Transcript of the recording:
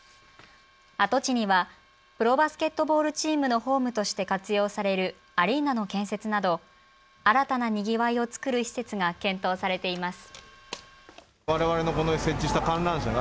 跡地にはプロバスケットボールチームのホームとして活用されるアリーナの建設など新たなにぎわいをつくる施設が検討されています。